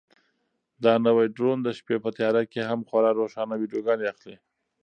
دا نوی ډرون د شپې په تیاره کې هم خورا روښانه ویډیوګانې اخلي.